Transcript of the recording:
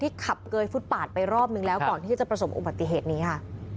ขับเกยฟุตปาดไปรอบนึงแล้วก่อนที่จะประสบอุบัติเหตุนี้ค่ะ